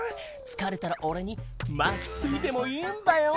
つかれたらおれにまきついてもいいんだよ。